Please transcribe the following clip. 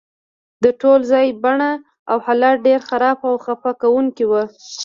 د ټول ځای بڼه او حالت ډیر خراب او خفه کونکی و